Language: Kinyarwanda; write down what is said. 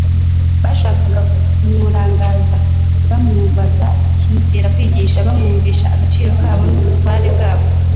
Bashakaga kmnurangaza bamubaza ikimutera kwigisha bamwumvisha agaciro kabo n'ubutware bwabo.